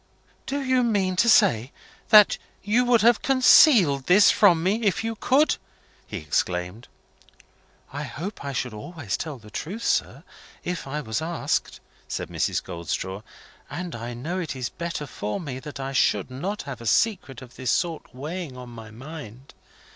"Do you mean to say that you would have concealed this from me if you could?" he exclaimed. "I hope I should always tell the truth, sir, if I was asked," said Mrs. Goldstraw. "And I know it is better for me that I should not have a secret of this sort weighing on my mind.